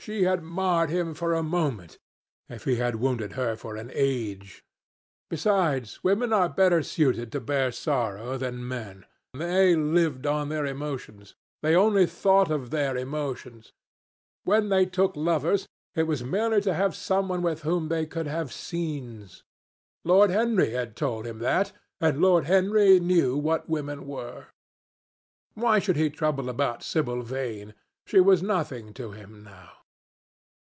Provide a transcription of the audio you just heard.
She had marred him for a moment, if he had wounded her for an age. Besides, women were better suited to bear sorrow than men. They lived on their emotions. They only thought of their emotions. When they took lovers, it was merely to have some one with whom they could have scenes. Lord Henry had told him that, and Lord Henry knew what women were. Why should he trouble about Sibyl Vane? She was nothing to him now.